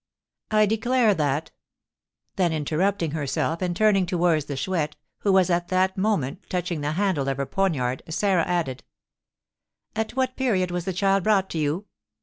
"I declare that " Then interrupting herself, and turning towards the Chouette, who was at the moment touching the handle of her poniard, Sarah added: "At what period was the child brought to you?"